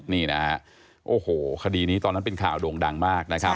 นี่นะฮะโอ้โหคดีนี้ตอนนั้นเป็นข่าวโด่งดังมากนะครับ